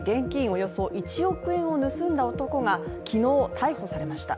およそ１億円を盗んだ男が昨日、逮捕されました。